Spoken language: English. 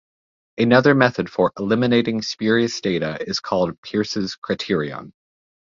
Another method for eliminating spurious data is called "Peirce's criterion".